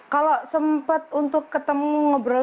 kalau sempat untuk ketemu ngobrol